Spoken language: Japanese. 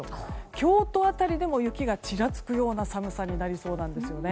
京都辺りでも雪がちらつくような寒さになりそうです。